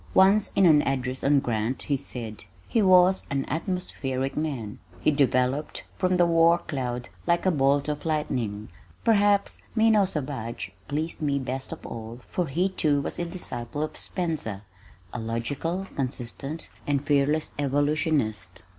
Once in an address on Grant he said, "He was an atmospheric man. He developed from the war cloud like a bolt of lightning." Perhaps Minot Savage pleased me best of all for he too was a disciple of Spencer, a logical, consistent, and fearless evolutionist.